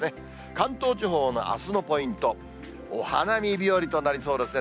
関東地方のあすのポイント、お花見日和となりそうですね。